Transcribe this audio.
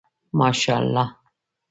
ماشاءالله